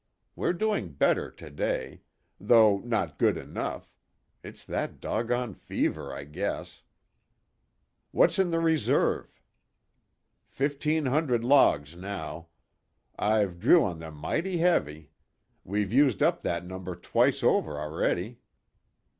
We're doing better to day. Though not good enough. It's that dogone fever, I guess." "What's in the reserve?" "Fifteen hundred logs now. I've drew on them mighty heavy. We've used up that number twice over a'ready.